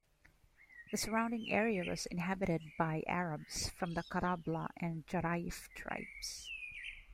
The surrounding area was inhabited by Arabs from the Karablah and Jara'if tribes.